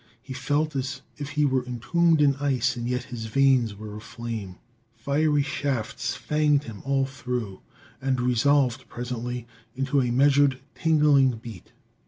He felt as if he were entombed in ice, and yet his veins were aflame. Fiery shafts fanged him all through and resolved, presently, into a measured, tingling beat.